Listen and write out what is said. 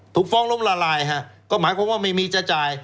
ถูกฟ้องล้มละลายฮะก็หมายความว่าไม่มีจะจ่าย